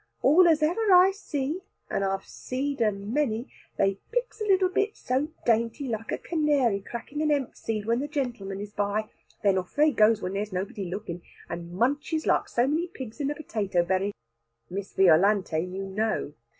All as ever I see, and I've see'd a many, they picks a little bit so dainty, like a canary cracking a hemp seed when the gentlemen is by: then off they goes when there's nobody looking, and munches like so many pigs in a potato bury. Miss Violante you know.